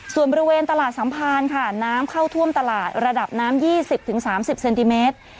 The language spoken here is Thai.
ส่วนบริเวณตลาดสัมภารค่ะน้ำเข้าท่วมตลาดระดับน้ำ๒๐๓๐เซนติเมตร